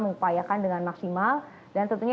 mengupayakan dengan maksimal dan tentunya